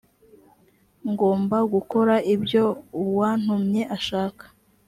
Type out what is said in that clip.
ngomba gukora ibyo uwantumye ashaka